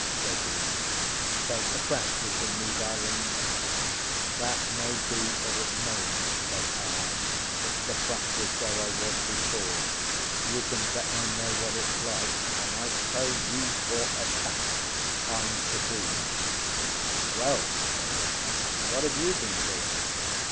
says he; "'tain't the practice in these islands." "That may be, or it mayn't," said I. "It's the practice where I was before. You can bet I know what it's like; and I tell it you for a fact, I'm tabooed." "Well," said he, "what have you been doing?"